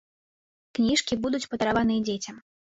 Кніжкі будуць падараваныя дзецям.